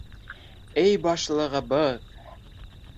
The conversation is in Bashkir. — Эй башлығыбыҙ!